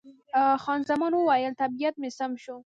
خان زمان وویل، طبیعت مې سم شو.